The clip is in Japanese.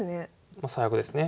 まあ最悪ですね。